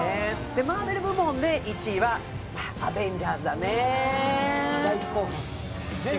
マーベル部門で１位は「アベンジャーズ」だね。